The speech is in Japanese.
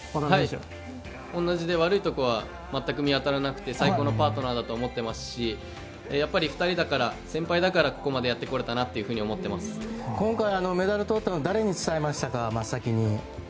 同じで、悪いところは全く見当たらなくて最高のパートナーだと思ってますし２人だから、先輩だからここまでやってこれたなって今回、メダルをとったのを真っ先に誰に伝えましたか？